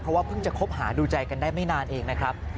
เพราะว่าเพิ่งจะคบหาดูใจกันได้ไม่นานเองนะครับ